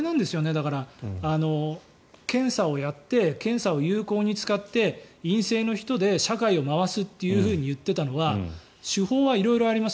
だから、検査をやって検査を有効に使って陰性の人で社会を回すって言っていたのは手法は色々あります。